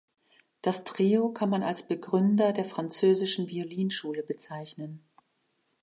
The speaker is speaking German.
Das Trio kann man als Begründer der französischen Violinschule bezeichnen.